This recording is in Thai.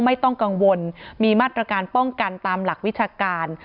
ไม่ต้องกังวลมีมาตรการป้องกันตามหลักวิชาการ